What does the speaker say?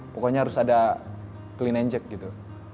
pokoknya harus ada clean and jack gitu